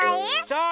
そう！